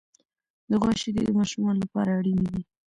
د غوا شیدې د ماشومانو لپاره اړینې دي.